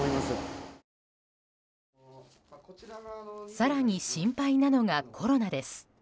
更に心配なのがコロナです。